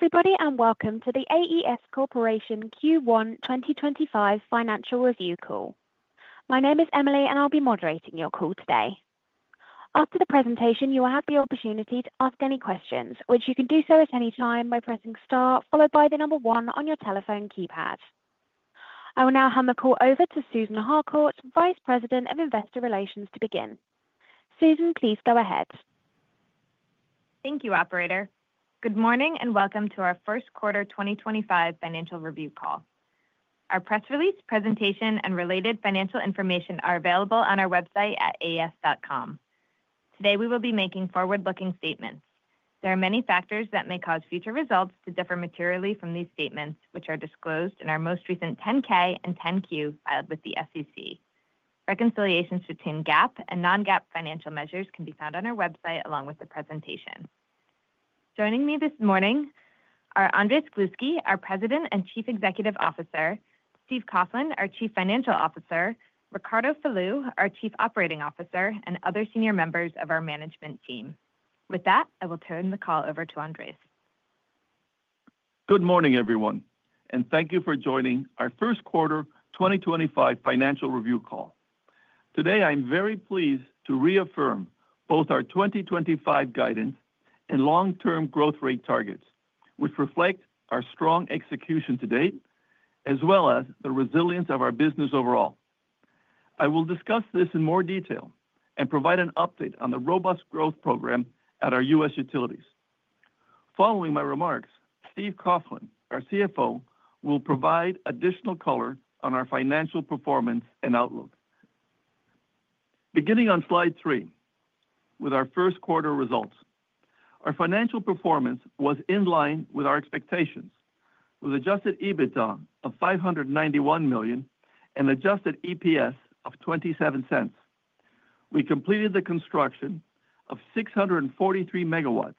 Hello, everybody, and welcome to the AES Corporation Q1 2025 Financial Review Call. My name is Emily, and I'll be moderating your call today. After the presentation, you will have the opportunity to ask any questions, which you can do so at any time by pressing star, followed by the number one on your telephone keypad. I will now hand the call over to Susan Harcourt, Vice President of Investor Relations, to begin. Susan, please go ahead. Thank you, Operator. Good morning and welcome to our Q1 2025 Financial Review Call. Our press release, presentation, and related financial information are available on our website at aes.com. Today, we will be making forward-looking statements. There are many factors that may cause future results to differ materially from these statements, which are disclosed in our most recent 10-K and 10-Q filed with the SEC. Reconciliations between GAAP and non-GAAP financial measures can be found on our website along with the presentation. Joining me this morning are Andrés Gluski, our President and Chief Executive Officer; Steve Coughlin, our Chief Financial Officer; Ricardo Falú, our Chief Operating Officer; and other senior members of our management team. With that, I will turn the call over to Andrés. Good morning, everyone, and thank you for joining our Q1 2025 Financial Review Call. Today, I'm very pleased to reaffirm both our 2025 guidance and long-term growth rate targets, which reflect our strong execution to date, as well as the resilience of our business overall. I will discuss this in more detail and provide an update on the robust growth program at our US utilities. Following my remarks, Steve Coughlin, our CFO, will provide additional color on our financial performance and outlook. Beginning on slide three with our Q1 results, our financial performance was in line with our expectations, with an adjusted EBITDA of $591 million and an adjusted EPS of $0.27. We completed the construction of 643MW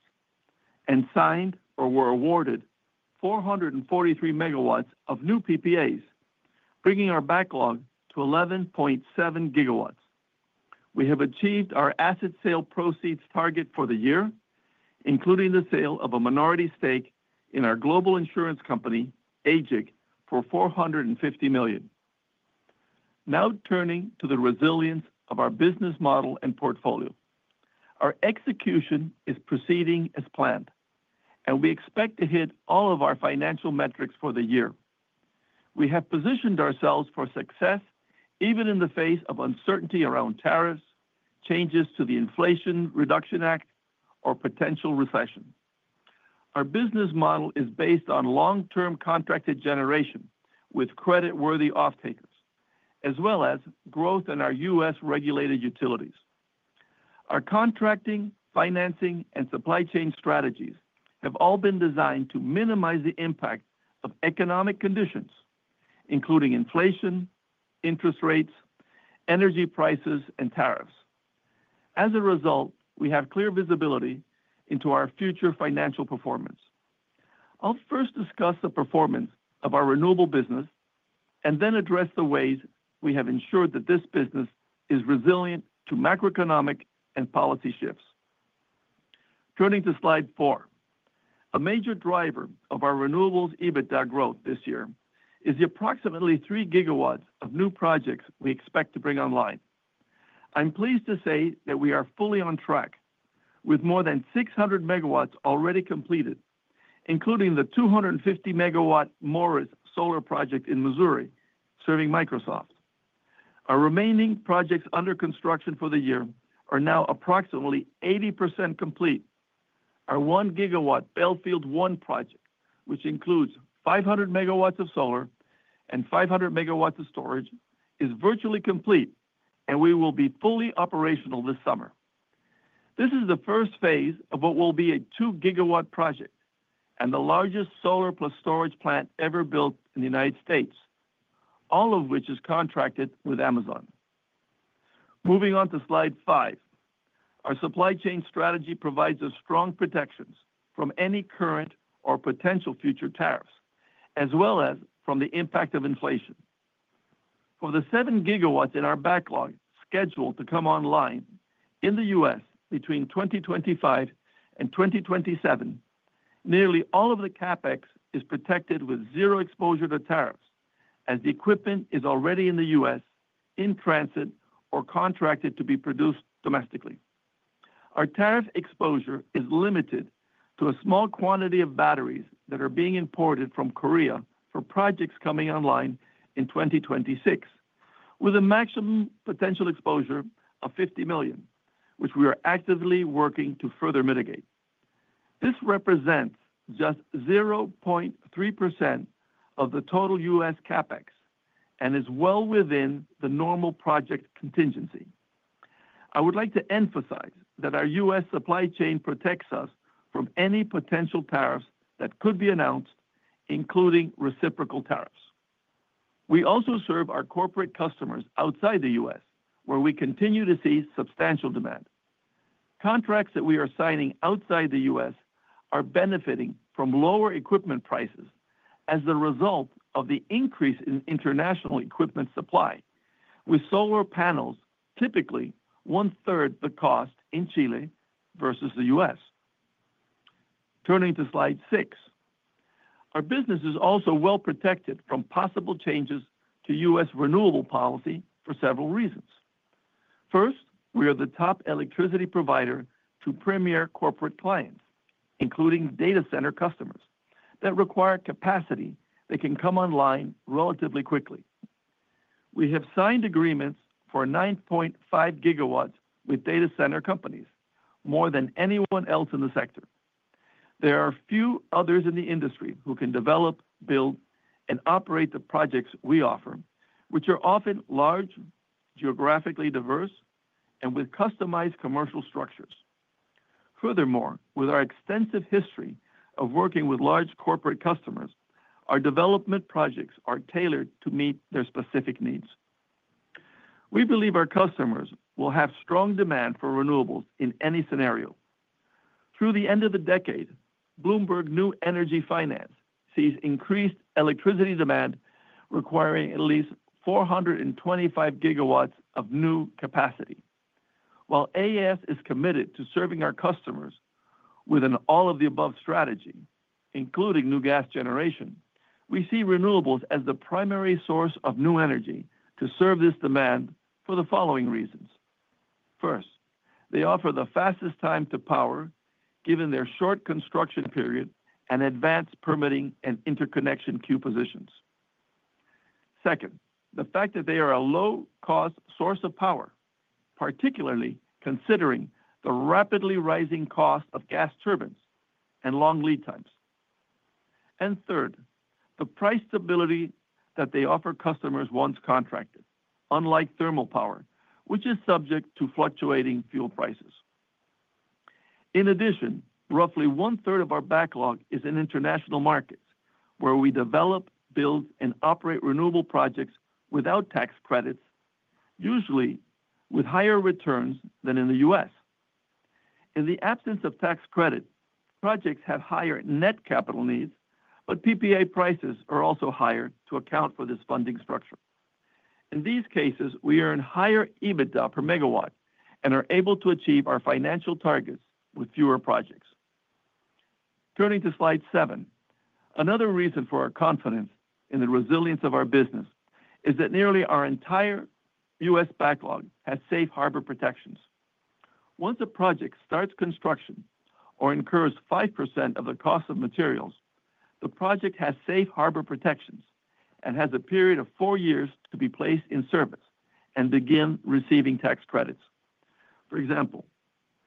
and signed or were awarded 443MW of new PPAs, bringing our backlog to 11.7GW. We have achieved our asset sale proceeds target for the year, including the sale of a minority stake in our global insurance company, AGIC, for $450 million. Now turning to the resilience of our business model and portfolio, our execution is proceeding as planned, and we expect to hit all of our financial metrics for the year. We have positioned ourselves for success even in the face of uncertainty around tariffs, changes to the Inflation Reduction Act, or potential recession. Our business model is based on long-term contracted generation with creditworthy off-takers, as well as growth in our US-regulated utilities. Our contracting, financing, and supply chain strategies have all been designed to minimize the impact of economic conditions, including inflation, interest rates, energy prices, and tariffs. As a result, we have clear visibility into our future financial performance. I'll first discuss the performance of our renewable business and then address the ways we have ensured that this business is resilient to macroeconomic and policy shifts. Turning to slide four, a major driver of our renewables' EBITDA growth this year is the approximately 3GW of new projects we expect to bring online. I'm pleased to say that we are fully on track, with more than 600MW already completed, including the 250MW Morris Solar Project in Missouri serving Microsoft. Our remaining projects under construction for the year are now approximately 80% complete. Our 1GW Bellefield One project, which includes 500MW of solar and 500MW of storage, is virtually complete, and we will be fully operational this summer. This is the first phase of what will be a 2GW project and the largest solar plus storage plant ever built in the United States, all of which is contracted with Amazon. Moving on to slide five, our supply chain strategy provides us strong protections from any current or potential future tariffs, as well as from the impact of inflation. For the 7GW in our backlog scheduled to come online in the US between 2025 and 2027, nearly all of the CapEx is protected with zero exposure to tariffs, as the equipment is already in the US, in transit, or contracted to be produced domestically. Our tariff exposure is limited to a small quantity of batteries that are being imported from Korea for projects coming online in 2026, with a maximum potential exposure of $50 million, which we are actively working to further mitigate. This represents just 0.3% of the total US CapEx and is well within the normal project contingency. I would like to emphasize that our US supply chain protects us from any potential tariffs that could be announced, including reciprocal tariffs. We also serve our corporate customers outside the US, where we continue to see substantial demand. Contracts that we are signing outside the US are benefiting from lower equipment prices as a result of the increase in international equipment supply, with solar panels typically one-third the cost in Chile versus the US Turning to slide six, our business is also well protected from possible changes to US renewable policy for several reasons. First, we are the top electricity provider to premier corporate clients, including data center customers, that require capacity that can come online relatively quickly. We have signed agreements for 9.5GW with data center companies, more than anyone else in the sector. There are few others in the industry who can develop, build, and operate the projects we offer, which are often large, geographically diverse, and with customized commercial structures. Furthermore, with our extensive history of working with large corporate customers, our development projects are tailored to meet their specific needs. We believe our customers will have strong demand for renewables in any scenario. Through the end of the decade, BloombergNEF sees increased electricity demand requiring at least 425GW of new capacity. While AES is committed to serving our customers with an all-of-the-above strategy, including new gas generation, we see renewables as the primary source of new energy to serve this demand for the following reasons. First, they offer the fastest time to power, given their short construction period and advanced permitting and interconnection queue positions. Second, the fact that they are a low-cost source of power, particularly considering the rapidly rising cost of gas turbines and long lead times. Third, the price stability that they offer customers once contracted, unlike thermal power, which is subject to fluctuating fuel prices. In addition, roughly one-third of our backlog is in international markets, where we develop, build, and operate renewable projects without tax credits, usually with higher returns than in the US In the absence of tax credit, projects have higher net capital needs, but PPA prices are also higher to account for this funding structure. In these cases, we earn higher EBITDA per megawatt and are able to achieve our financial targets with fewer projects. Turning to slide seven, another reason for our confidence in the resilience of our business is that nearly our entire US backlog has safe harbor protections. Once a project starts construction or incurs 5% of the cost of materials, the project has safe harbor protections and has a period of four years to be placed in service and begin receiving tax credits. For example,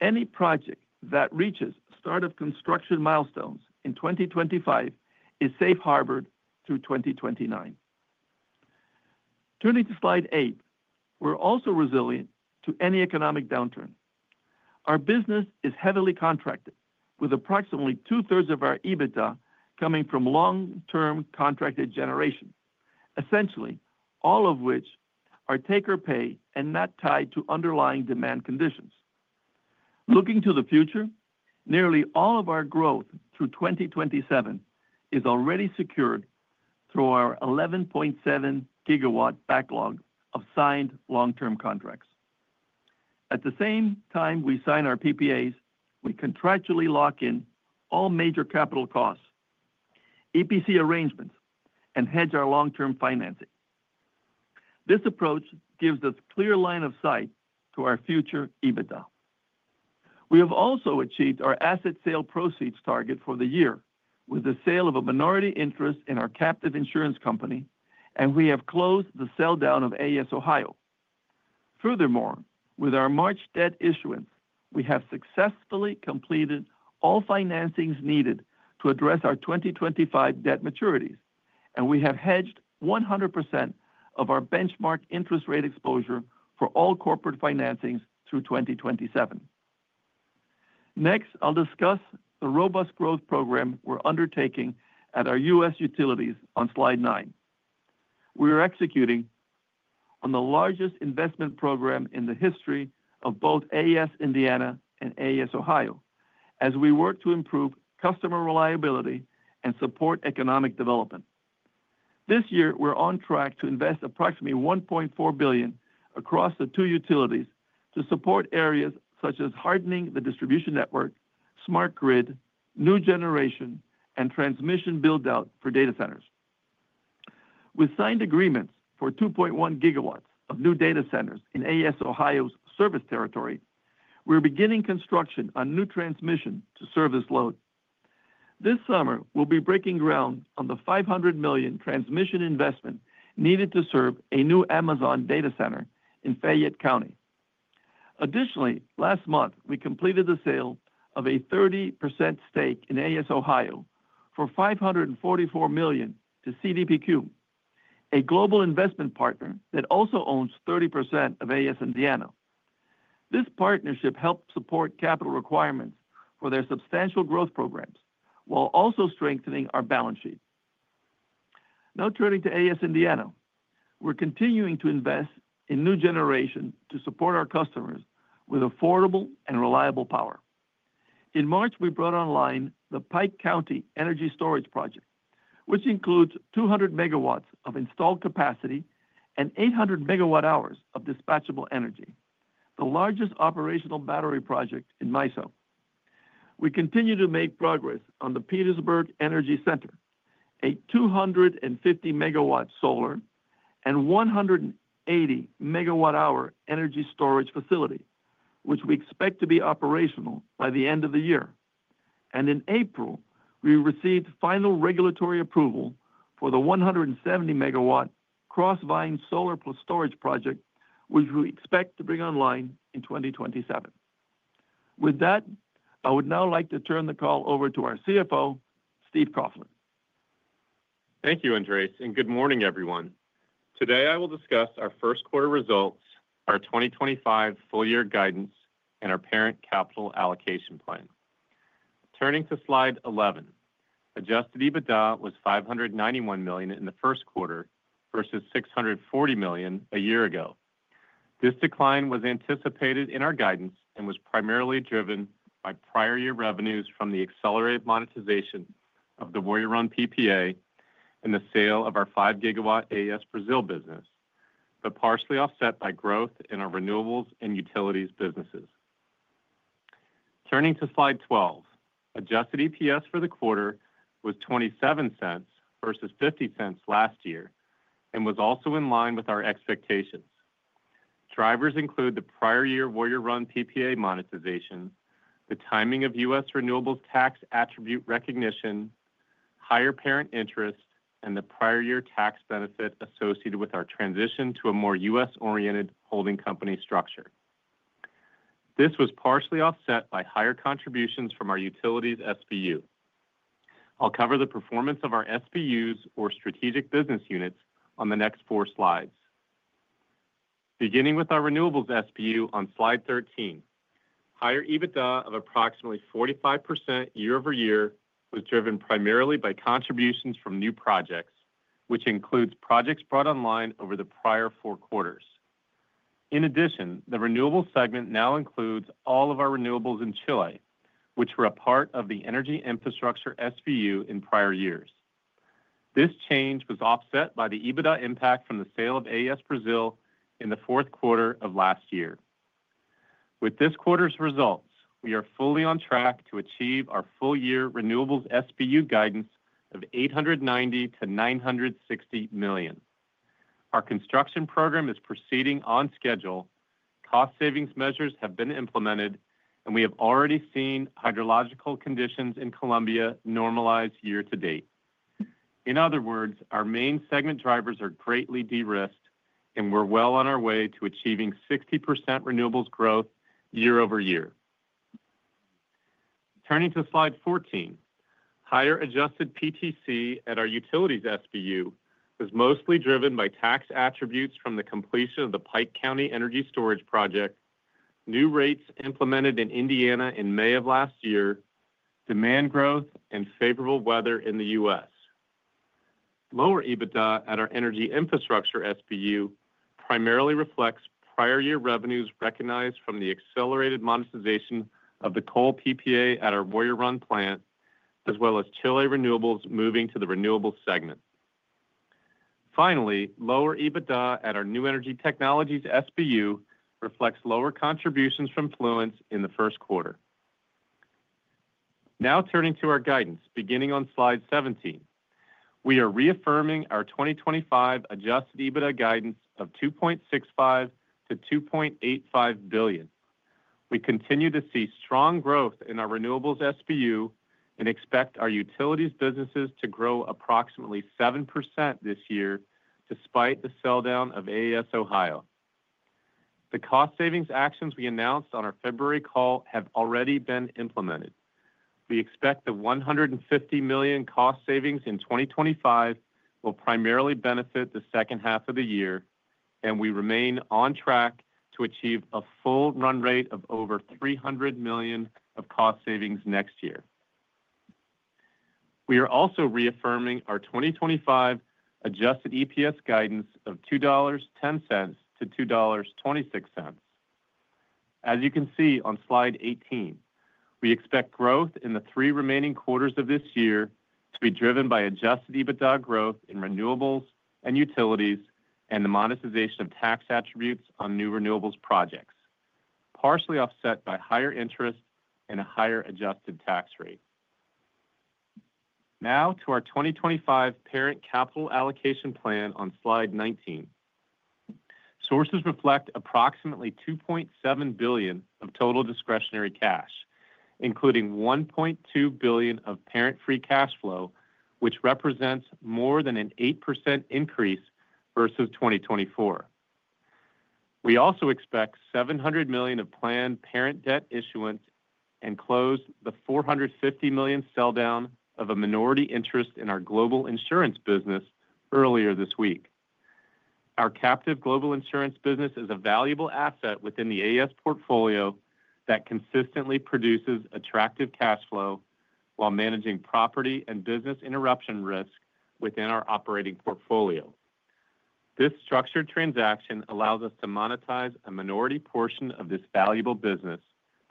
any project that reaches start of construction milestones in 2025 is safe harbored through 2029. Turning to slide eight, we're also resilient to any economic downturn. Our business is heavily contracted, with approximately two-thirds of our EBITDA coming from long-term contracted generation, essentially all of which are take-or-pay and not tied to underlying demand conditions. Looking to the future, nearly all of our growth through 2027 is already secured through our 11.7GW backlog of signed long-term contracts. At the same time we sign our PPAs, we contractually lock in all major capital costs, EPC arrangements, and hedge our long-term financing. This approach gives us a clear line of sight to our future EBITDA. We have also achieved our asset sale proceeds target for the year with the sale of a minority interest in our captive insurance company, and we have closed the sell-down of AES Ohio. Furthermore, with our March debt issuance, we have successfully completed all financings needed to address our 2025 debt maturities, and we have hedged 100% of our benchmark interest rate exposure for all corporate financings through 2027. Next, I'll discuss the robust growth program we're undertaking at our US utilities on slide nine. We are executing on the largest investment program in the history of both AES Indiana and AES Ohio, as we work to improve customer reliability and support economic development. This year, we're on track to invest approximately $1.4 billion across the two utilities to support areas such as hardening the distribution network, smart grid, new generation, and transmission build-out for data centers. With signed agreements for 2.1GW of new data centers in AES Ohio's service territory, we're beginning construction on new transmission to service load. This summer, we'll be breaking ground on the $500 million transmission investment needed to serve a new Amazon data center in Fayette County. Additionally, last month, we completed the sale of a 30% stake in AES Ohio for $544 million to CDPQ, a global investment partner that also owns 30% of AES Indiana. This partnership helped support capital requirements for their substantial growth programs while also strengthening our balance sheet. Now turning to AES Indiana, we're continuing to invest in new generation to support our customers with affordable and reliable power. In March, we brought online the Pike County Energy Storage Project, which includes 200MW of installed capacity and 800MWh of dispatchable energy, the largest operational battery project in MISO. We continue to make progress on the Petersburg Energy Center, a 250MW solar and 180MWh energy storage facility, which we expect to be operational by the end of the year. In April, we received final regulatory approval for the 170MW Crossvine Solar Plus Storage Project, which we expect to bring online in 2027. With that, I would now like to turn the call over to our CFO, Steve Coughlin. Thank you, Andrés. Good morning, everyone. Today, I will discuss our Q1 results, our 2025 full-year guidance, and our parent capital allocation plan. Turning to slide 11, adjusted EBITDA was $591 million in the Q1 versus $640 million a year ago. This decline was anticipated in our guidance and was primarily driven by prior year revenues from the accelerated monetization of the Warrior Run PPA and the sale of our 5GW AES Brazil business, but partially offset by growth in our renewables and utilities businesses. Turning to slide 12, adjusted EPS for the quarter was $0.27 versus $0.50 last year and was also in line with our expectations. Drivers include the prior year Warrior Run PPA monetization, the timing of US renewables tax attribute recognition, higher parent interest, and the prior year tax benefit associated with our transition to a more US-oriented holding company structure. This was partially offset by higher contributions from our utilities SBU. I'll cover the performance of our SBUs, or Strategic Business Units, on the next four slides. Beginning with our renewables SBU on slide 13, higher EBITDA of approximately 45% year-over-year was driven primarily by contributions from new projects, which includes projects brought online over the prior four quarters. In addition, the renewables segment now includes all of our renewables in Chile, which were a part of the energy infrastructure SBU in prior years. This change was offset by the EBITDA impact from the sale of AES Brazil in the Q4 of last year. With this quarter's results, we are fully on track to achieve our full-year renewables SBU guidance of $890 to 960 million. Our construction program is proceeding on schedule, cost savings measures have been implemented, and we have already seen hydrological conditions in Colombia normalize year to date. In other words, our main segment drivers are greatly de-risked, and we're well on our way to achieving 60% renewables growth year-over-year. Turning to slide 14, higher adjusted PTC at our utilities SBU was mostly driven by tax attributes from the completion of the Pike County Energy Storage Project, new rates implemented in Indiana in May of last year, demand growth, and favorable weather in the US Lower EBITDA at our energy infrastructure SBU primarily reflects prior year revenues recognized from the accelerated monetization of the coal PPA at our Warrior Run plant, as well as Chile renewables moving to the renewables segment. Finally, lower EBITDA at our new energy technologies SBU reflects lower contributions from Fluence in the Q1. Now turning to our guidance, beginning on slide 17, we are reaffirming our 2025 adjusted EBITDA guidance of $2.65 to 2.85 billion. We continue to see strong growth in our renewables SBU and expect our utilities businesses to grow approximately 7% this year, despite the sell-down of AES Ohio. The cost savings actions we announced on our February call have already been implemented. We expect the $150 million cost savings in 2025 will primarily benefit the second half of the year, and we remain on track to achieve a full run rate of over $300 million of cost savings next year. We are also reaffirming our 2025 adjusted EPS guidance of $2.10 to 2.26. As you can see on slide 18, we expect growth in the three remaining quarters of this year to be driven by adjusted EBITDA growth in renewables and utilities and the monetization of tax attributes on new renewables projects, partially offset by higher interest and a higher adjusted tax rate. Now to our 2025 parent capital allocation plan on slide 19. Sources reflect approximately $2.7 billion of total discretionary cash, including $1.2 billion of parent-free cash flow, which represents more than an 8% increase versus 2024. We also expect $700 million of planned parent debt issuance and closed the $450 million sell-down of a minority interest in our global insurance business earlier this week. Our captive global insurance business is a valuable asset within the AES portfolio that consistently produces attractive cash flow while managing property and business interruption risk within our operating portfolio. This structured transaction allows us to monetize a minority portion of this valuable business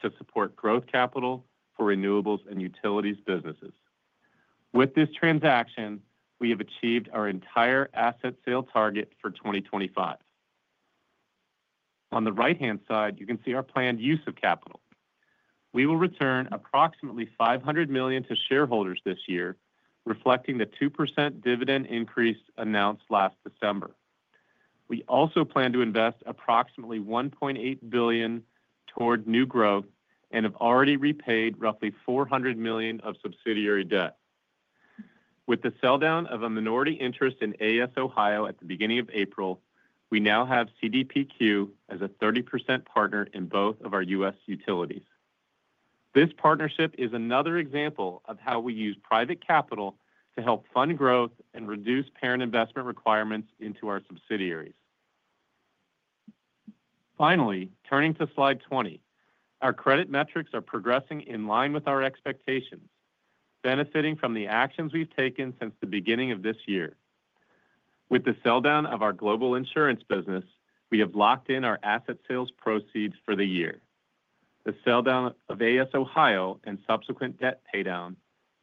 to support growth capital for renewables and utilities businesses. With this transaction, we have achieved our entire asset sale target for 2025. On the right-hand side, you can see our planned use of capital. We will return approximately $500 million to shareholders this year, reflecting the 2% dividend increase announced last December. We also plan to invest approximately $1.8 billion toward new growth and have already repaid roughly $400 million of subsidiary debt. With the sell-down of a minority interest in AES Ohio at the beginning of April, we now have CDPQ as a 30% partner in both of our US utilities. This partnership is another example of how we use private capital to help fund growth and reduce parent investment requirements into our subsidiaries. Finally, turning to slide 20, our credit metrics are progressing in line with our expectations, benefiting from the actions we've taken since the beginning of this year. With the sell-down of our global insurance business, we have locked in our asset sales proceeds for the year. The sell-down of AES Ohio and subsequent debt paydown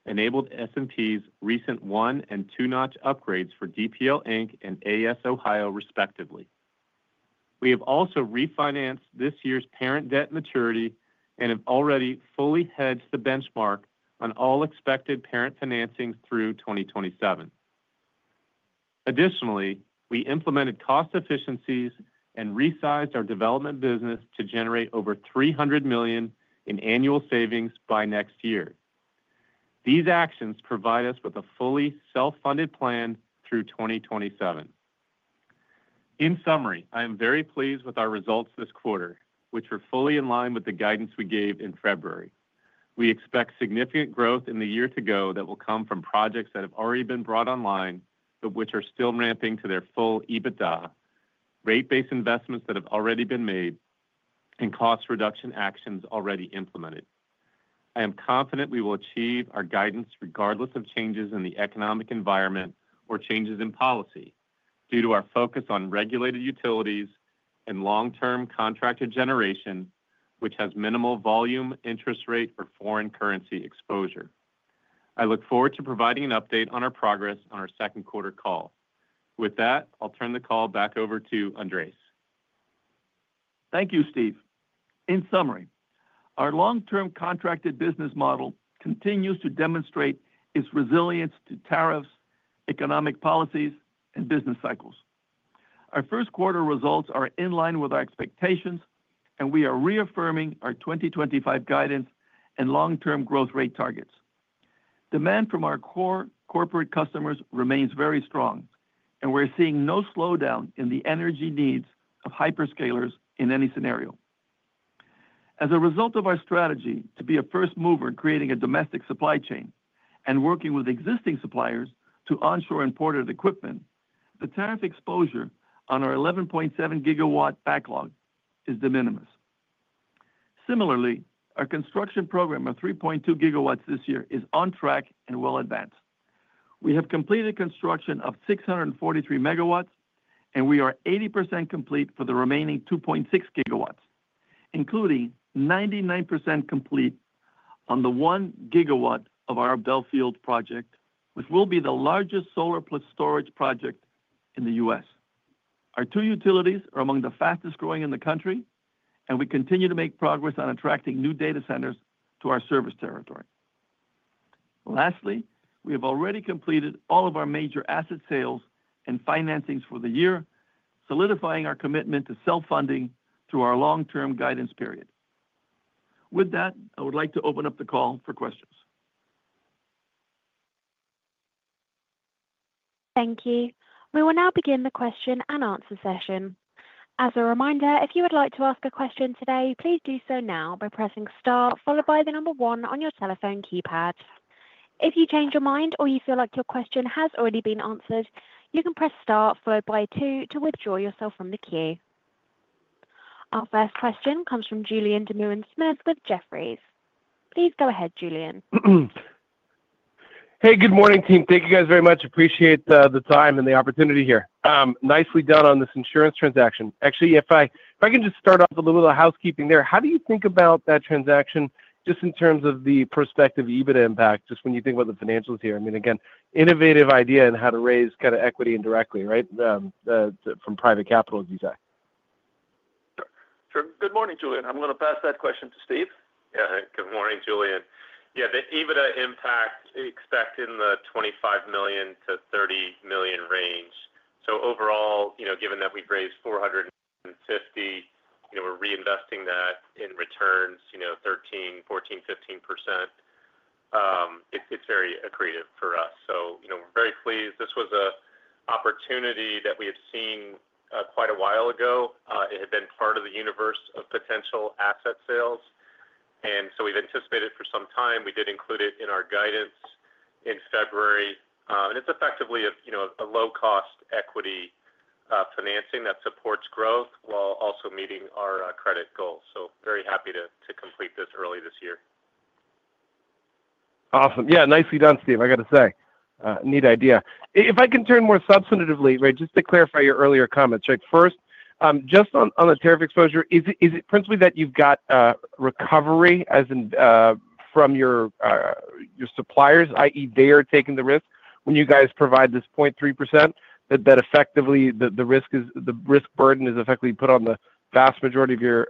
enabled S&P's recent one and two-notch upgrades for DPL and AES Ohio, respectively. We have also refinanced this year's parent debt maturity and have already fully hedged the benchmark on all expected parent financings through 2027. Additionally, we implemented cost efficiencies and resized our development business to generate over $300 million in annual savings by next year. These actions provide us with a fully self-funded plan through 2027. In summary, I am very pleased with our results this quarter, which are fully in line with the guidance we gave in February. We expect significant growth in the year to go that will come from projects that have already been brought online, but which are still ramping to their full EBITDA, rate-based investments that have already been made, and cost reduction actions already implemented. I am confident we will achieve our guidance regardless of changes in the economic environment or changes in policy due to our focus on regulated utilities and long-term contracted generation, which has minimal volume, interest rate, or foreign currency exposure. I look forward to providing an update on our progress on our second quarter call. With that, I'll turn the call back over to Andrés. Thank you, Steve. In summary, our long-term contracted business model continues to demonstrate its resilience to tariffs, economic policies, and business cycles. Our Q1 results are in line with our expectations, and we are reaffirming our 2025 guidance and long-term growth rate targets. Demand from our core corporate customers remains very strong, and we're seeing no slowdown in the energy needs of hyperscalers in any scenario. As a result of our strategy to be a first mover in creating a domestic supply chain and working with existing suppliers to onshore imported equipment, the tariff exposure on our 11.7GW backlog is de minimis. Similarly, our construction program of 3.2GW this year is on track and well advanced. We have completed construction of 643MW, and we are 80% complete for the remaining 2.6GW, including 99% complete on the 1GW of our Bellefield project, which will be the largest solar plus storage project in the US. Our two utilities are among the fastest growing in the country, and we continue to make progress on attracting new data centers to our service territory. Lastly, we have already completed all of our major asset sales and financings for the year, solidifying our commitment to self-funding through our long-term guidance period. With that, I would like to open up the call for questions. Thank you. We will now begin the question and answer session. As a reminder, if you would like to ask a question today, please do so now by pressing Star followed by the number one on your telephone keypad. If you change your mind or you feel like your question has already been answered, you can press Star followed by two to withdraw yourself from the queue. Our first question comes from Julien Dumoulin-Smith with Jefferies. Please go ahead, Julien. Hey, good morning, team. Thank you guys very much. Appreciate the time and the opportunity here. Nicely done on this insurance transaction. Actually, if I can just start off with a little bit of housekeeping there, how do you think about that transaction just in terms of the prospective EBITDA impact just when you think about the financials here? I mean, again, innovative idea in how to raise kind of equity indirectly, right, from private capital, as you say. Sure. Good morning, Julien. I'm going to pass that question to Steve. Yeah, good morning, Julien. Yeah, the EBITDA impact expected in the $25 to 30 million range. Overall, given that we've raised $450 million, we're reinvesting that in returns, 13%, 14%, 15%. It's very accretive for us. We're very pleased. This was an opportunity that we had seen quite a while ago. It had been part of the universe of potential asset sales. We've anticipated for some time. We did include it in our guidance in February. It is effectively a low-cost equity financing that supports growth while also meeting our credit goals. Very happy to complete this early this year. Awesome. Yeah, nicely done, Steve. I got to say, neat idea. If I can turn more substantively, right, just to clarify your earlier comments. First, just on the tariff exposure, is it principally that you have got recovery from your suppliers, i.e., they are taking the risk when you guys provide this 0.3%, that effectively the risk burden is effectively put on the vast majority of your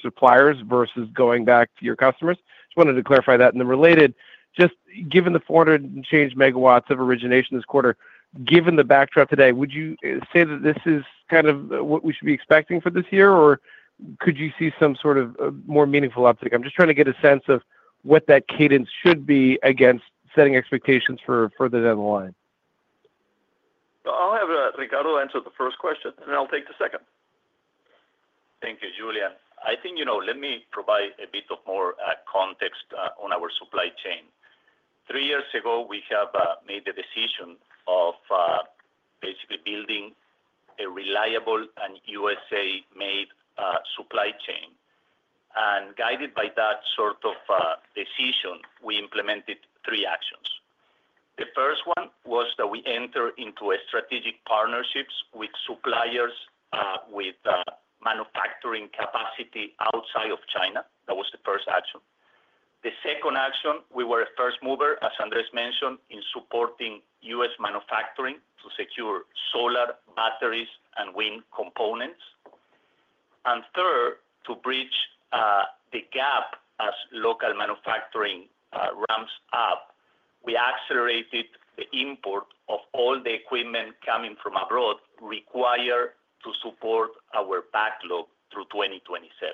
suppliers versus going back to your customers? Just wanted to clarify that. Related, just given the 400-and-change megawatts of origination this quarter, given the backdrop today, would you say that this is kind of what we should be expecting for this year, or could you see some sort of more meaningful uptick? I'm just trying to get a sense of what that cadence should be against setting expectations for further down the line. I'll have Ricardo answer the first question, and then I'll take the second. Thank you, Julien. I think let me provide a bit of more context on our supply chain. Three years ago, we have made the decision of basically building a reliable and USA-made supply chain. Guided by that sort of decision, we implemented three actions. The first one was that we entered into strategic partnerships with suppliers with manufacturing capacity outside of China. That was the first action. The second action, we were a first mover, as Andrés mentioned, in supporting US manufacturing to secure solar batteries and wind components. Third, to bridge the gap as local manufacturing ramps up, we accelerated the import of all the equipment coming from abroad required to support our backlog through 2027.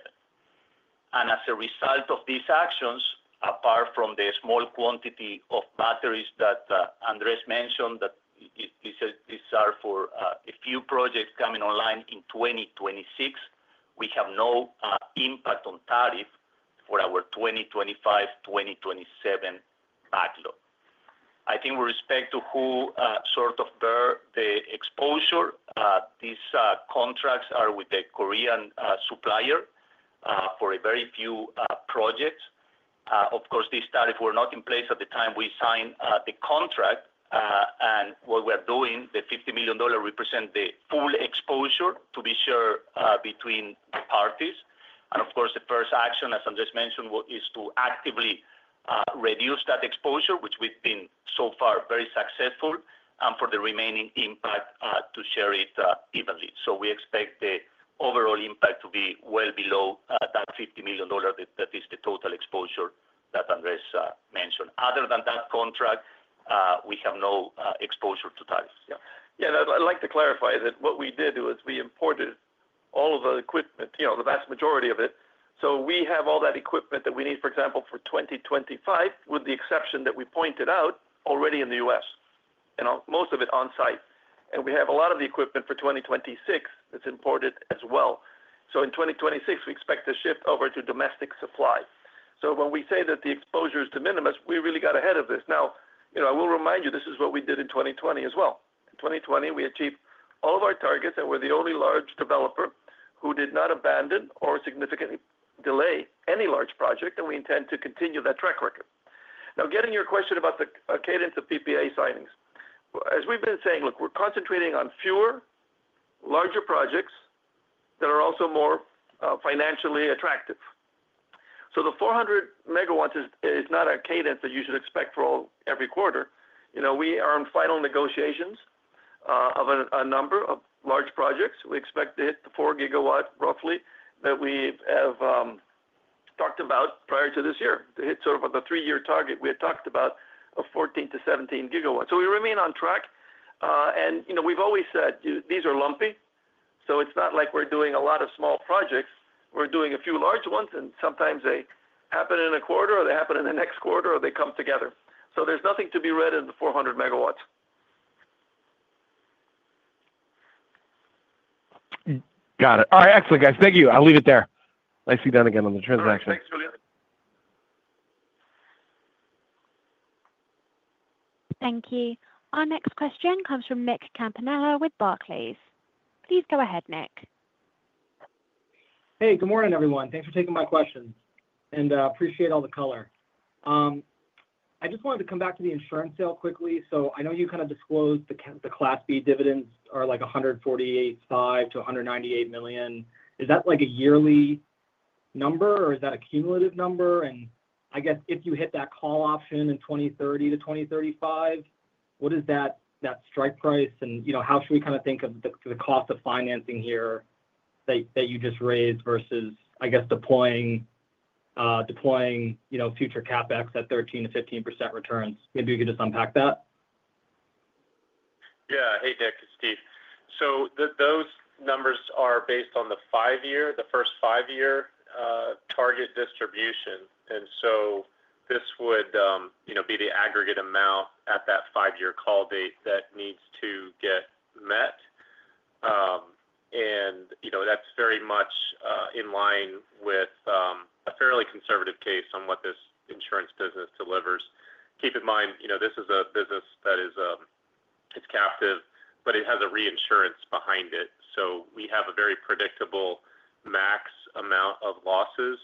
As a result of these actions, apart from the small quantity of batteries that Andrés mentioned that these are for a few projects coming online in 2026, we have no impact on tariff for our 2025-2027 backlog. I think with respect to who sort of bear the exposure, these contracts are with the Korean supplier for a very few projects. Of course, these tariffs were not in place at the time we signed the contract. What we are doing, the $50 million represents the full exposure to be shared between the parties. Of course, the first action, as Andrés mentioned, is to actively reduce that exposure, which we've been so far very successful, and for the remaining impact to share it evenly. We expect the overall impact to be well below that $50 million that is the total exposure that Andrés mentioned. Other than that contract, we have no exposure to tariffs. I'd like to clarify that what we did was we imported all of the equipment, the vast majority of it. We have all that equipment that we need, for example, for 2025, with the exception that we pointed out already in the US, most of it on-site. We have a lot of the equipment for 2026 that's imported as well. In 2026, we expect to shift over to domestic supply. When we say that the exposure is de minimis, we really got ahead of this. I will remind you, this is what we did in 2020 as well. In 2020, we achieved all of our targets, and we're the only large developer who did not abandon or significantly delay any large project, and we intend to continue that track record. Now, getting to your question about the cadence of PPA signings. As we've been saying, look, we're concentrating on fewer, larger projects that are also more financially attractive. The 400MW is not a cadence that you should expect for every quarter. We are in final negotiations of a number of large projects. We expect to hit the 4GW, roughly, that we have talked about prior to this year, to hit sort of the three-year target we had talked about of 14-17GW. We remain on track. We've always said these are lumpy, so it's not like we're doing a lot of small projects. We're doing a few large ones, and sometimes they happen in a quarter, or they happen in the next quarter, or they come together. There's nothing to be read in the 400MW. Got it. All right. Excellent, guys. Thank you. I'll leave it there. Nice to see you down again on the transaction. Thanks, Julien. Thank you. Our next question comes from Nick Campanella with Barclays. Please go ahead, Nick. Hey, good morning, everyone. Thanks for taking my questions. I appreciate all the color. I just wanted to come back to the insurance sale quickly. I know you kind of disclosed the Class B dividends are like $148.5 to 198 million. Is that like a yearly number, or is that a cumulative number? I guess if you hit that call option in 2030 to 2035, what is that strike price? How should we kind of think of the cost of financing here that you just raised versus, I guess, deploying future CapEx at 13-15% returns? Maybe we could just unpack that. Yeah. Hey, Nick, it's Steve. Those numbers are based on the first five-year target distribution. This would be the aggregate amount at that five-year call date that needs to get met. That is very much in line with a fairly conservative case on what this insurance business delivers. Keep in mind, this is a business that is captive, but it has a reinsurance behind it. We have a very predictable max amount of losses,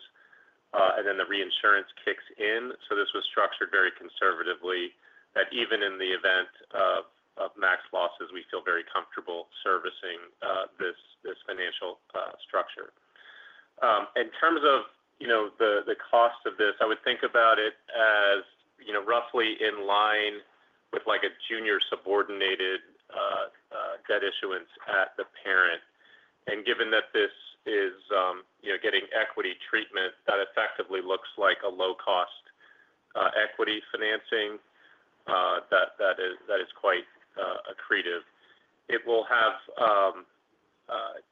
and then the reinsurance kicks in. This was structured very conservatively that even in the event of max losses, we feel very comfortable servicing this financial structure. In terms of the cost of this, I would think about it as roughly in line with a junior subordinated debt issuance at the parent. Given that this is getting equity treatment, that effectively looks like a low-cost equity financing that is quite accretive. It will have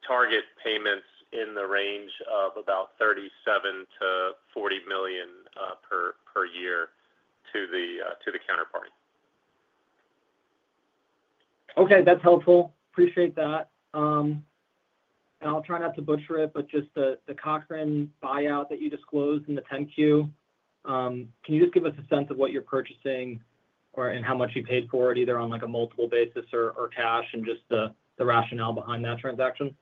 target payments in the range of about $37 to 40 million per year to the counterparty. Okay. That's helpful. Appreciate that. I'll try not to butcher it, but just the Cochrane buyout that you disclosed in the 10-Q, can you just give us a sense of what you're purchasing and how much you paid for it, either on a multiple basis or cash, and just the rationale behind that transaction?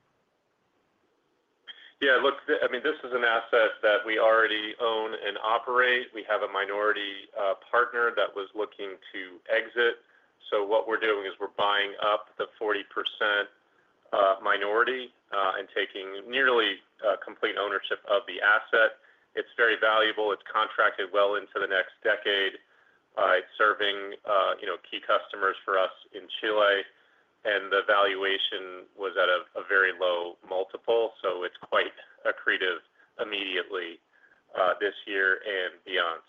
Yeah. Look, I mean, this is an asset that we already own and operate. We have a minority partner that was looking to exit. What we're doing is we're buying up the 40% minority and taking nearly complete ownership of the asset. It's very valuable. It's contracted well into the next decade. It's serving key customers for us in Chile. The valuation was at a very low multiple. It's quite accretive immediately this year and beyond.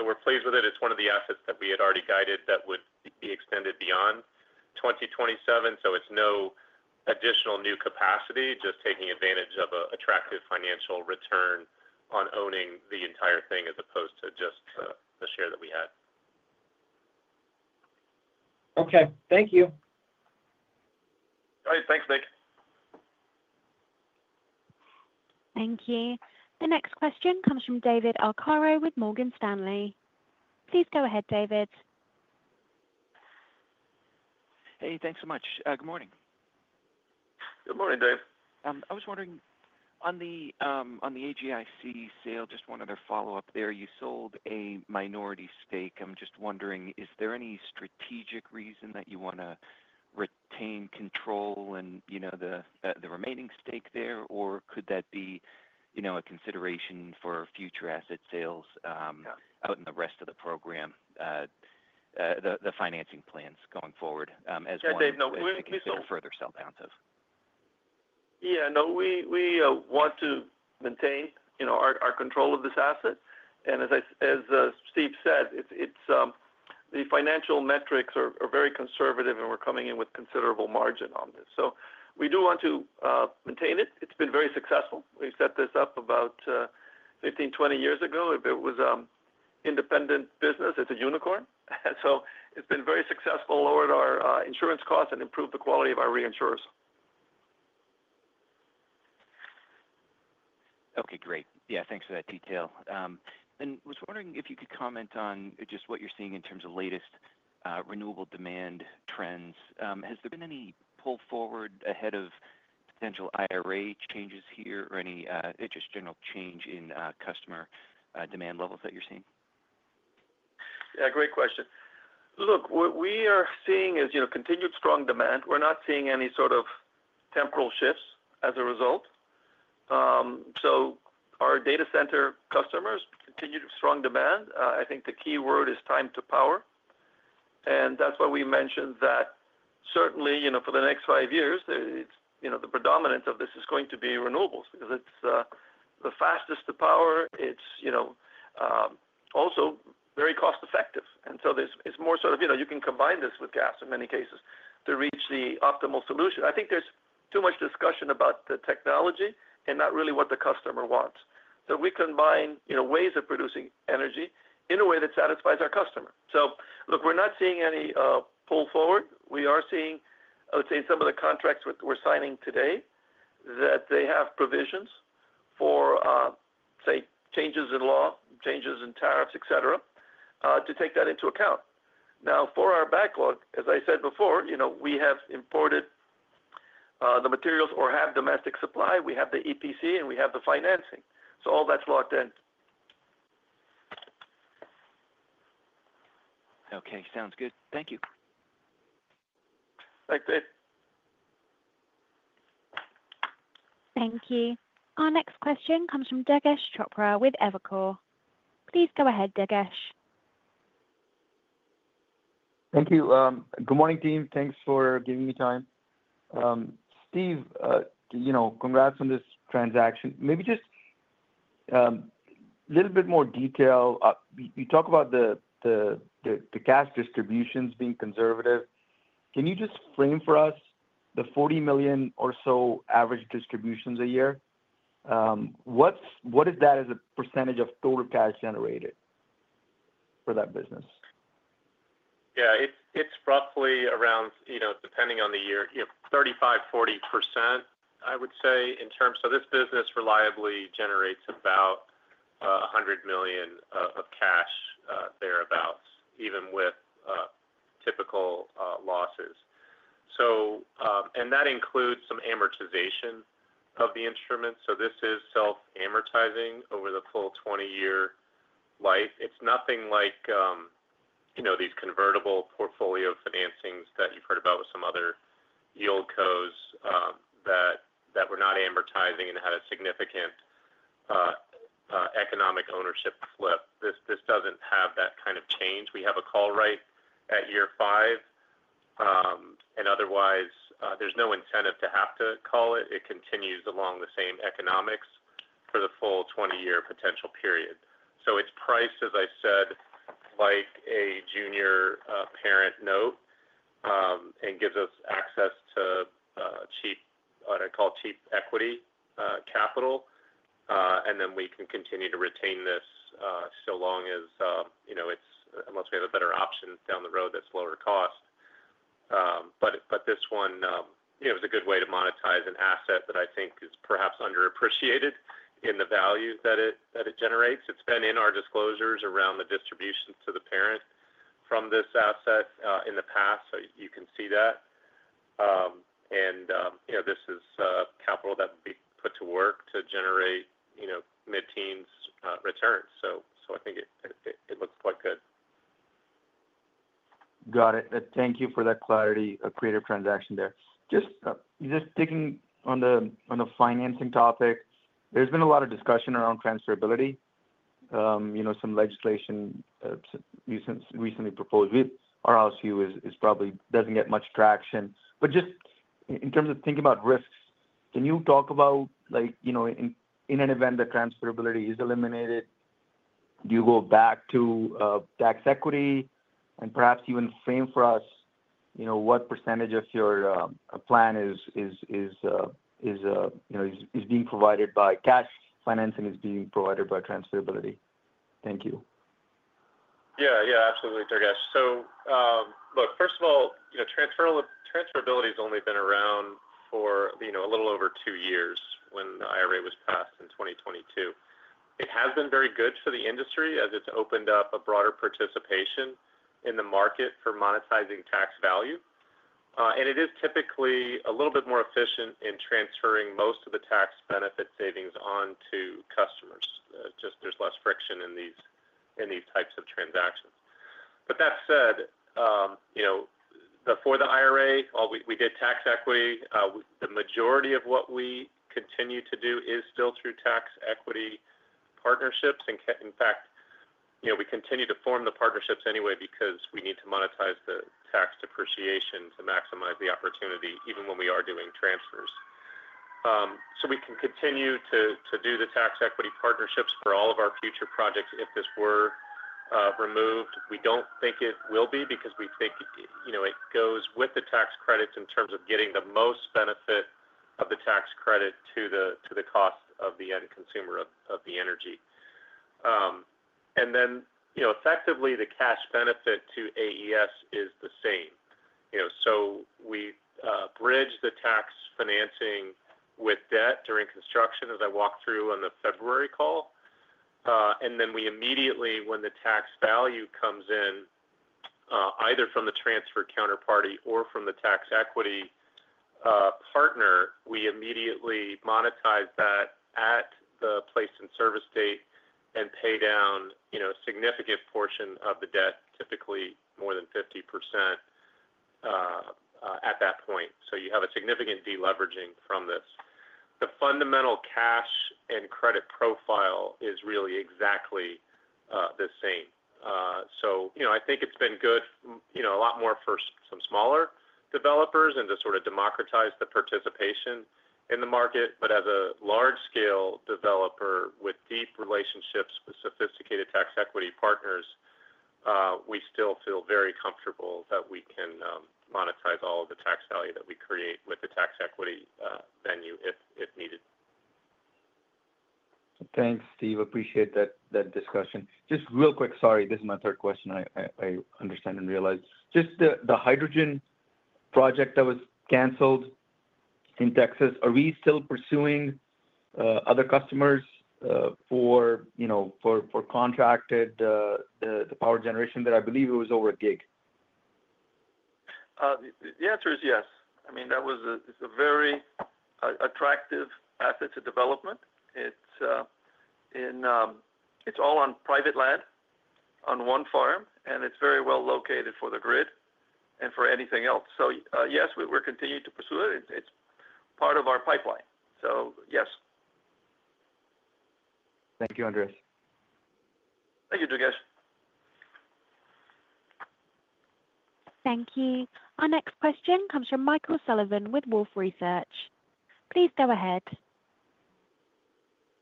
We're pleased with it. It's one of the assets that we had already guided that would be extended beyond 2027. It's no additional new capacity, just taking advantage of an attractive financial return on owning the entire thing as opposed to just the share that we had. Okay. Thank you. All right. Thanks, Nick. Thank you. The next question comes from David Arcaro with Morgan Stanley. Please go ahead, David. Hey, thanks so much. Good morning. Good morning, Dave. I was wondering, on the AGIC sale, just one other follow-up there. You sold a minority stake. I'm just wondering, is there any strategic reason that you want to retain control and the remaining stake there, or could that be a consideration for future asset sales out in the rest of the program, the financing plans going forward as well as any further sell-outs of? Yeah. No, we want to maintain our control of this asset. As Steve said, the financial metrics are very conservative, and we're coming in with considerable margin on this. We do want to maintain it. It's been very successful. We set this up about 15-20 years ago. If it was an independent business, it's a unicorn. It's been very successful, lowered our insurance costs, and improved the quality of our reinsurers. Okay. Great. Yeah, thanks for that detail. I was wondering if you could comment on just what you're seeing in terms of latest renewable demand trends. Has there been any pull forward ahead of potential IRA changes here or any just general change in customer demand levels that you're seeing? Yeah, great question. Look, what we are seeing is continued strong demand. We're not seeing any sort of temporal shifts as a result. Our data center customers, continued strong demand. I think the keyword is time to power. That's why we mentioned that certainly for the next five years, the predominance of this is going to be renewables because it's the fastest to power. It's also very cost-effective. It's more sort of you can combine this with gas in many cases to reach the optimal solution. I think there's too much discussion about the technology and not really what the customer wants. We combine ways of producing energy in a way that satisfies our customer. Look, we're not seeing any pull forward. We are seeing, I would say, in some of the contracts we're signing today, that they have provisions for, say, changes in law, changes in tariffs, etc., to take that into account. Now, for our backlog, as I said before, we have imported the materials or have domestic supply. We have the EPC, and we have the financing. All that's locked in. Okay. Sounds good. Thank you. Thanks, Dave. Thank you. Our next question comes from Durgesh Chopra with Evercore. Please go ahead, Durgesh. Thank you. Good morning, team. Thanks for giving me time. Steve, congrats on this transaction. Maybe just a little bit more detail. You talk about the cash distributions being conservative. Can you just frame for us the $40 million or so average distributions a year? What is that as a percentage of total cash generated for that business? Yeah. It's roughly around, depending on the year, 35%, 40%, I would say, in terms of this business reliably generates about $100 million of cash, thereabouts, even with typical losses. And that includes some amortization of the instruments. So this is self-amortizing over the full 20-year life. It's nothing like these convertible portfolio financings that you've heard about with some other yield codes that were not amortizing and had a significant economic ownership flip. This doesn't have that kind of change. We have a call right at year five. Otherwise, there's no incentive to have to call it. It continues along the same economics for the full 20-year potential period. It is priced, as I said, like a junior parent note and gives us access to what I call cheap equity capital. Then we can continue to retain this so long as it is, unless we have a better option down the road that is lower cost. This one is a good way to monetize an asset that I think is perhaps underappreciated in the value that it generates. It has been in our disclosures around the distributions to the parent from this asset in the past, so you can see that. This is capital that would be put to work to generate mid-teens returns. I think it looks quite good. Got it. Thank you for that clarity, accretive transaction there. Just sticking on the financing topic, there has been a lot of discussion around transferability. Some legislation recently proposed with our house view is probably does not get much traction. Just in terms of thinking about risks, can you talk about in an event that transferability is eliminated, do you go back to tax equity and perhaps even frame for us what percentage of your plan is being provided by cash financing, is being provided by transferability? Thank you. Yeah. Absolutely, Durgesh. First of all, transferability has only been around for a little over two years when the IRA was passed in 2022. It has been very good for the industry as it's opened up a broader participation in the market for monetizing tax value. It is typically a little bit more efficient in transferring most of the tax benefit savings onto customers. There is less friction in these types of transactions. That said, for the IRA, while we did tax equity, the majority of what we continue to do is still through tax equity partnerships. In fact, we continue to form the partnerships anyway because we need to monetize the tax depreciation to maximize the opportunity, even when we are doing transfers. We can continue to do the tax equity partnerships for all of our future projects if this were removed. We do not think it will be because we think it goes with the tax credits in terms of getting the most benefit of the tax credit to the cost of the end consumer of the energy. Effectively, the cash benefit to AES is the same. We bridge the tax financing with debt during construction as I walked through on the February call. We immediately, when the tax value comes in either from the transfer counterparty or from the tax equity partner, immediately monetize that at the place and service date and pay down a significant portion of the debt, typically more than 50% at that point. You have a significant deleveraging from this. The fundamental cash and credit profile is really exactly the same. I think it's been good a lot more for some smaller developers and to sort of democratize the participation in the market. As a large-scale developer with deep relationships with sophisticated tax equity partners, we still feel very comfortable that we can monetize all of the tax value that we create with the tax equity venue if needed. Thanks, Steve. Appreciate that discussion. Just real quick, sorry, this is my third question. I understand and realize. Just the hydrogen project that was canceled in Texas, are we still pursuing other customers for contracted the power generation that I believe it was over a gig? The answer is yes. I mean, that was a very attractive asset to development. It's all on private land on one farm, and it's very well located for the grid and for anything else. Yes, we're continuing to pursue it. It's part of our pipeline. Yes. Thank you, Andrés. Thank you, Durgesh. Thank you. Our next question comes from Michael Sullivan with Wolfe Research. Please go ahead.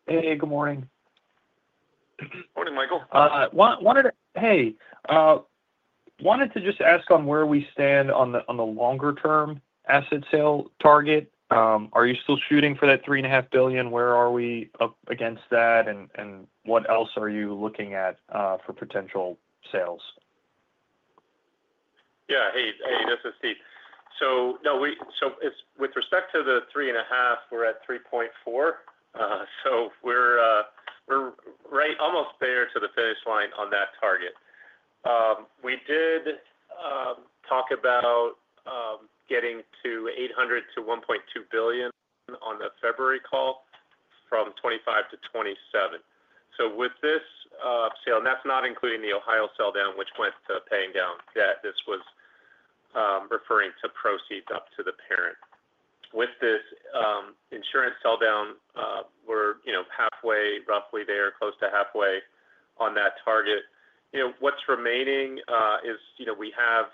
Hey, good morning. Morning, Michael. Hey. Wanted to just ask on where we stand on the longer-term asset sale target. Are you still shooting for that $3.5 billion? Where are we against that? And what else are you looking at for potential sales? Yeah. Hey, this is Steve. With respect to the 3.5, we're at 3.4. We're almost there to the finish line on that target. We did talk about getting to $800 million to 1.2 billion on the February call from 2025 to 2027. With this sale, and that's not including the Ohio sell-down, which went to paying down debt, this was referring to proceeds up to the parent. With this insurance sell-down, we're halfway, roughly there, close to halfway on that target. What's remaining is we have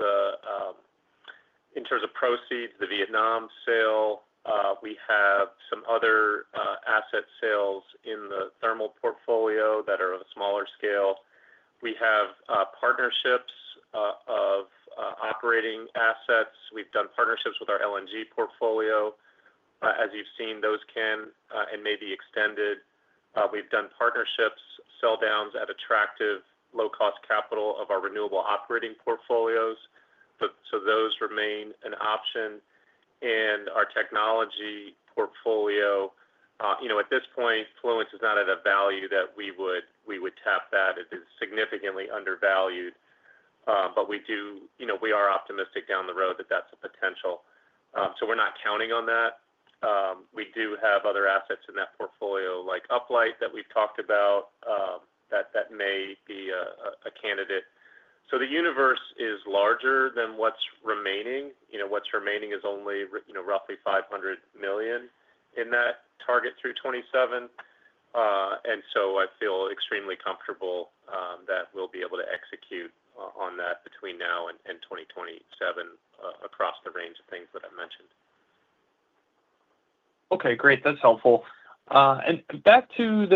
the, in terms of proceeds, the Vietnam sale. We have some other asset sales in the thermal portfolio that are of a smaller scale. We have partnerships of operating assets. We've done partnerships with our LNG portfolio. As you've seen, those can and may be extended. We've done partnerships, sell-downs at attractive low-cost capital of our renewable operating portfolios. Those remain an option. Our technology portfolio, at this point, Fluence is not at a value that we would tap that. It is significantly undervalued. We are optimistic down the road that that's a potential. We are not counting on that. We do have other assets in that portfolio, like Uplight that we've talked about, that may be a candidate. The universe is larger than what's remaining. What's remaining is only roughly $500 million in that target through 2027. I feel extremely comfortable that we'll be able to execute on that between now and 2027 across the range of things that I mentioned. Okay. Great. That's helpful. Back to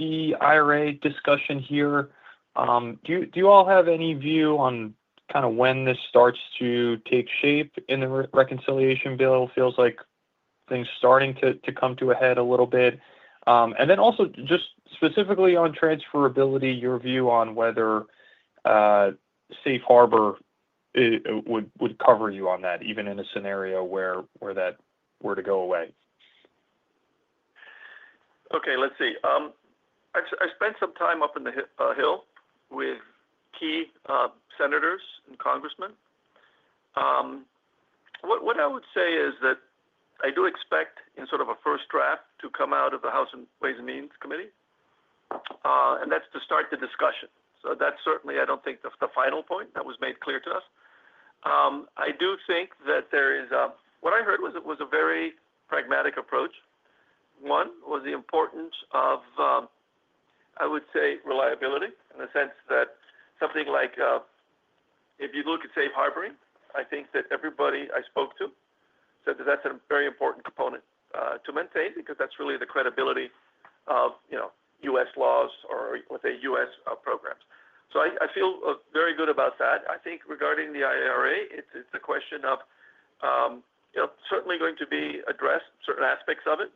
the IRA discussion here, do you all have any view on kind of when this starts to take shape in the reconciliation bill? It feels like things are starting to come to a head a little bit. Also, just specifically on transferability, your view on whether Safe Harbor would cover you on that, even in a scenario where that were to go away. Okay. I spent some time up in the Hill with key senators and congressmen. What I would say is that I do expect a first draft to come out of the House Ways and Means Committee. That is to start the discussion. That is certainly, I do not think, the final point. That was made clear to us. I do think that what I heard was it was a very pragmatic approach. One was the importance of, I would say, reliability in the sense that something like if you look at Safe Harboring, I think that everybody I spoke to said that that's a very important component to maintain because that's really the credibility of US laws or, let's say, US programs. I feel very good about that. I think regarding the IRA, it's a question of certainly going to be addressed, certain aspects of it.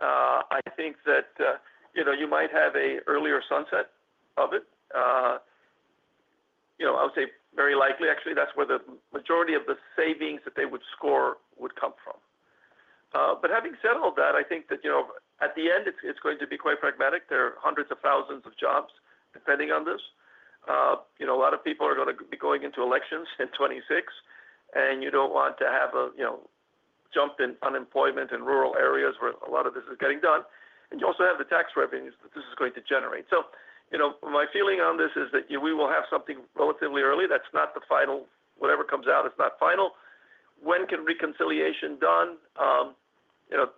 I think that you might have an earlier sunset of it. I would say very likely, actually, that's where the majority of the savings that they would score would come from. Having said all that, I think that at the end, it's going to be quite pragmatic. There are hundreds of thousands of jobs depending on this. A lot of people are going to be going into elections in 2026. You do not want to have a jump in unemployment in rural areas where a lot of this is getting done. You also have the tax revenues that this is going to generate. My feeling on this is that we will have something relatively early. That is not the final. Whatever comes out is not final. When can reconciliation be done?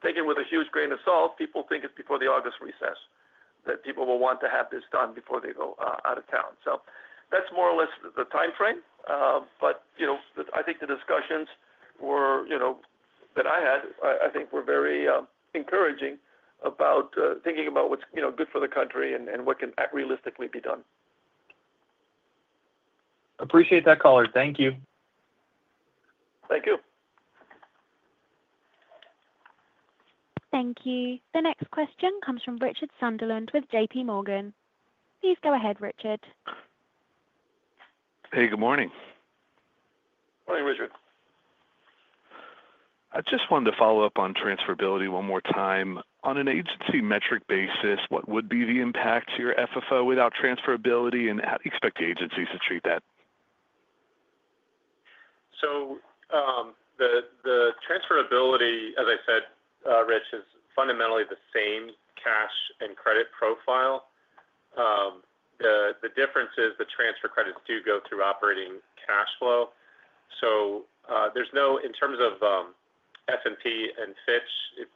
Taken with a huge grain of salt, people think it is before the August recess that people will want to have this done before they go out of town. That is more or less the time frame. I think the discussions that I had were very encouraging about thinking about what is good for the country and what can realistically be done. Appreciate that, Color. Thank you. Thank you. Thank you. The next question comes from Richard Sunderland with JPMorgan. Please go ahead, Richard. Hey, good morning. Morning, Richard. I just wanted to follow up on transferability one more time. On an agency metric basis, what would be the impact to your FFO without transferability? How do you expect agencies to treat that? The transferability, as I said, Rich, is fundamentally the same cash and credit profile. The difference is the transfer credits do go through operating cash flow. In terms of S&P and Fitch, it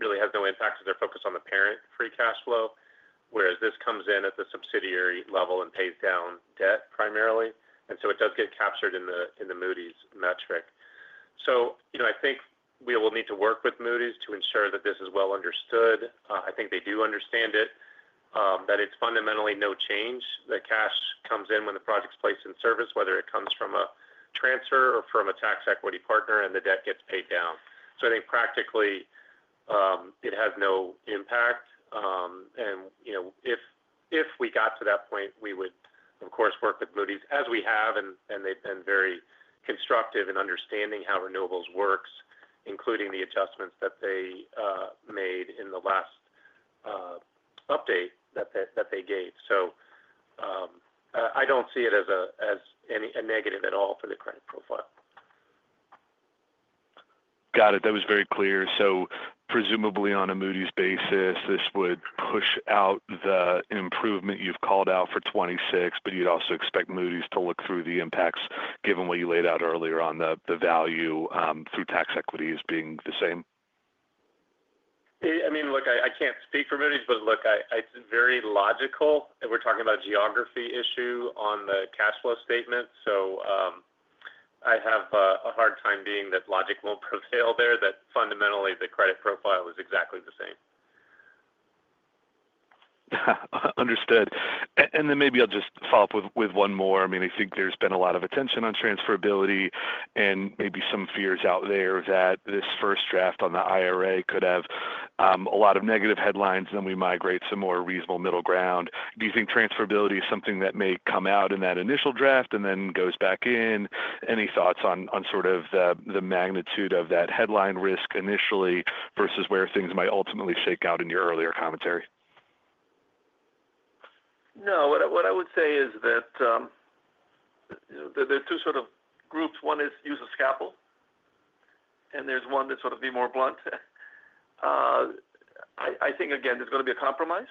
really has no impact because they're focused on the parent free cash flow, whereas this comes in at the subsidiary level and pays down debt primarily. It does get captured in the Moody's metric. I think we will need to work with Moody's to ensure that this is well understood. I think they do understand it, that it's fundamentally no change. The cash comes in when the project's placed in service, whether it comes from a transfer or from a tax equity partner, and the debt gets paid down. I think practically it has no impact. If we got to that point, we would, of course, work with Moody's as we have. They've been very constructive in understanding how renewables work, including the adjustments that they made in the last update that they gave. I don't see it as a negative at all for the credit profile. Got it. That was very clear. Presumably on a Moody's basis, this would push out the improvement you've called out for 2026, but you'd also expect Moody's to look through the impacts, given what you laid out earlier on the value through tax equity as being the same. I mean, look, I can't speak for Moody's, but look, it's very logical. We're talking about a geography issue on the cash flow statement. I have a hard time being that logic won't prevail there, that fundamentally the credit profile is exactly the same. Understood. Maybe I'll just follow up with one more. I mean, I think there's been a lot of attention on transferability and maybe some fears out there that this first draft on the IRA could have a lot of negative headlines, and then we migrate to more reasonable middle ground. Do you think transferability is something that may come out in that initial draft and then goes back in? Any thoughts on sort of the magnitude of that headline risk initially versus where things might ultimately shake out in your earlier commentary? No. What I would say is that there are two sort of groups. One is use a scaffold, and there's one that's sort of be more blunt. I think, again, there's going to be a compromise.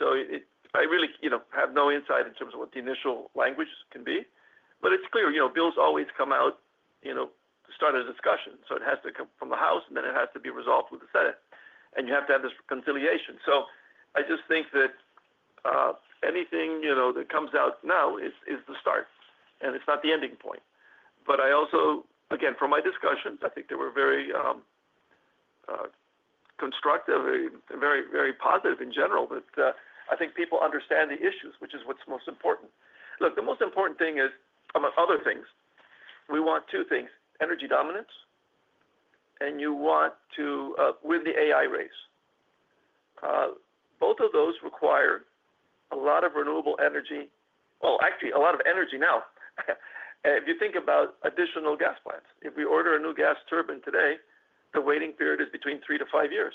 I really have no insight in terms of what the initial language can be. It is clear bills always come out to start a discussion. It has to come from the House, and then it has to be resolved with the Senate. You have to have this reconciliation. I just think that anything that comes out now is the start, and it's not the ending point. I also, again, from my discussions, I think they were very constructive, very positive in general, that I think people understand the issues, which is what's most important. Look, the most important thing is, among other things, we want two things: energy dominance and you want to win the AI race. Both of those require a lot of renewable energy. Actually, a lot of energy now. If you think about additional gas plants, if we order a new gas turbine today, the waiting period is between three to five years,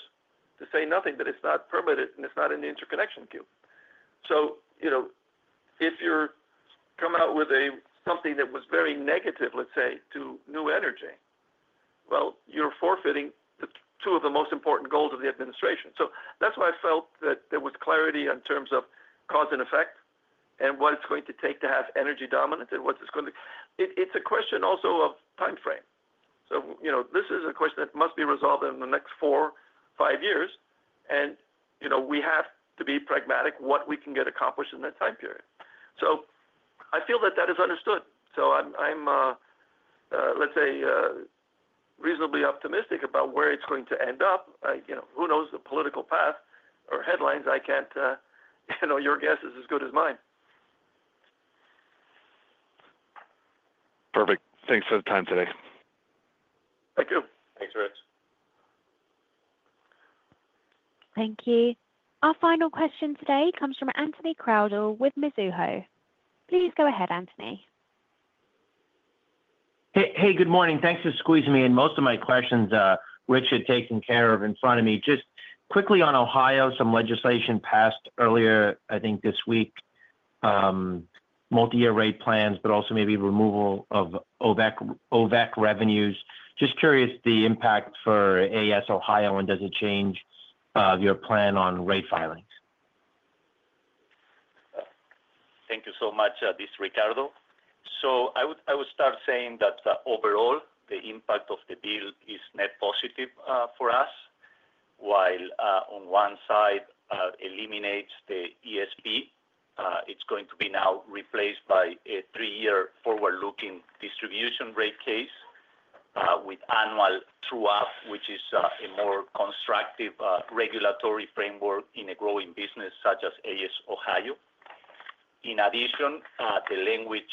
to say nothing that it's not permitted and it's not in the interconnection queue. If you're coming out with something that was very negative, let's say, to new energy, you're forfeiting two of the most important goals of the administration. That is why I felt that there was clarity in terms of cause and effect and what it's going to take to have energy dominance and what it's going to be. It's a question also of time frame. This is a question that must be resolved in the next four or five years. We have to be pragmatic about what we can get accomplished in that time period. I feel that that is understood. I am, let's say, reasonably optimistic about where it is going to end up. Who knows the political path or headlines? I cannot know, your guess is as good as mine. Perfect. Thanks for the time today. Thank you. Thanks, Rich. Thank you. Our final question today comes from Anthony Crowdell with Mizuho. Please go ahead, Anthony. Hey, good morning. Thanks for squeezing me in. Most of my questions, Rich had taken care of in front of me. Just quickly on Ohio, some legislation passed earlier, I think, this week, multi-year rate plans, but also maybe removal of OVAC revenues. Just curious the impact for AES Ohio and does it change your plan on rate filings? Thank you so much, this is Ricardo. I would start saying that overall, the impact of the bill is net positive for us, while on one side it eliminates the ESP. It is going to be now replaced by a three-year forward-looking distribution rate case with annual true-up, which is a more constructive regulatory framework in a growing business such as AES Ohio. In addition, the language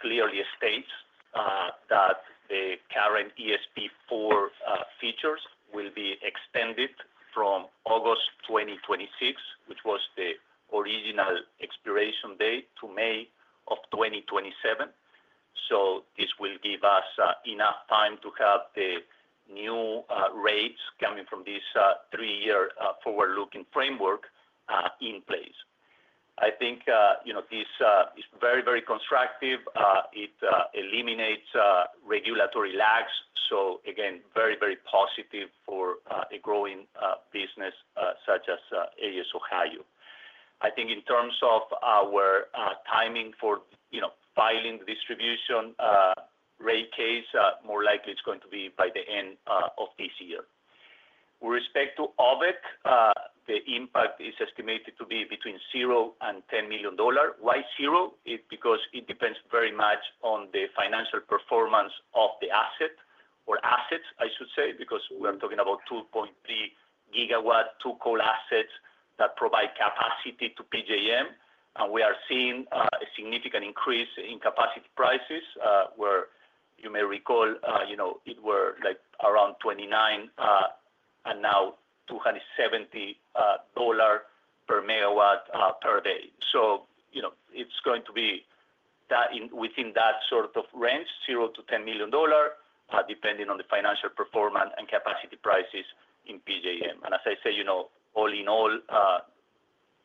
clearly states that the current ESP 4 features will be extended from August 2026, which was the original expiration date, to May of 2027. This will give us enough time to have the new rates coming from this three-year forward-looking framework in place. I think this is very, very constructive. It eliminates regulatory lags. Again, very, very positive for a growing business such as AES Ohio. I think in terms of our timing for filing the distribution rate case, more likely it is going to be by the end of this year. With respect to OVAC, the impact is estimated to be between $0 and 10 million. Why $0? Because it depends very much on the financial performance of the asset or assets, I should say, because we are talking about 2.3GW two-core assets that provide capacity to PJM. We are seeing a significant increase in capacity prices, where you may recall it was around $29 and now $270 per megawatt per day. It is going to be within that sort of range, $0 to 10 million, depending on the financial performance and capacity prices in PJM. All in all,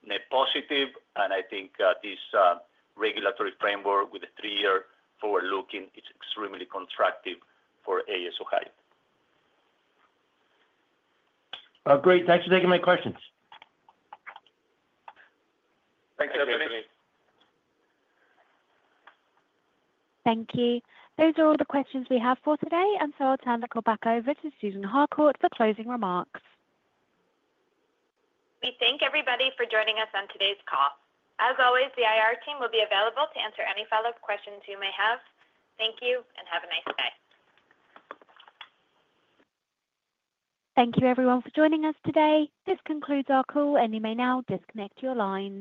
net positive. I think this regulatory framework with a three-year forward-looking, it is extremely constructive for AES Ohio. Great. Thanks for taking my questions. Thank you, Anthony. Thank you. Those are all the questions we have for today. I will turn the call back over to Susan Harcourt for closing remarks. We thank everybody for joining us on today's call. As always, the IR team will be available to answer any follow-up questions you may have. Thank you and have a nice day. Thank you, everyone, for joining us today. This concludes our call, and you may now disconnect your line.